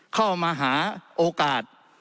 เข้ามาหาโอกาส